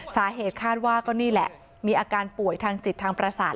สาเหตุคาดว่าก็นี่แหละมีอาการป่วยทางจิตทางประสาท